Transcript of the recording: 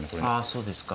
あそうですか。